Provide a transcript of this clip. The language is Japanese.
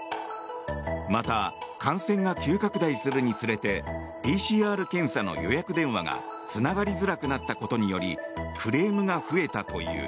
また、感染が急拡大するにつれてＰＣＲ検査の予約電話がつながりづらくなったことによりクレームが増えたという。